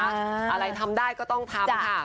อะไรทำได้ก็ต้องทำค่ะ